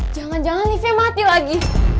jangan jangan liftnya mati lagi